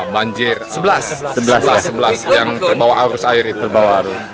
banjir sebelas yang terbawa arus air itu bawa